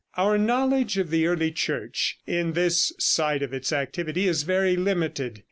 Our knowledge of the early Church, in this side of its activity, is very limited.